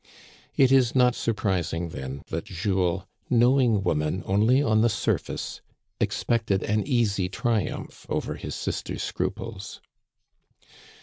It is not surprising then that Jules, knowing woman only on the surface, ex pected an easy triumph over his sister's scruples.